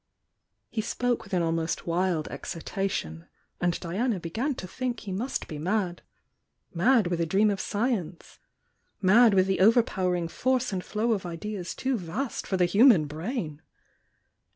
He spoke with an almost wild excitation, and Diana began to Ihink he must be mad. Mad with a dream of science, — ^mad with the overpoweiing force and flow of ideas too vast for the human brain!